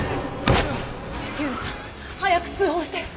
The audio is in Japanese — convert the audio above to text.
火浦さん早く通報して！